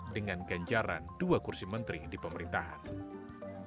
dengan ganjaran dua kursi menteri di pemerintahan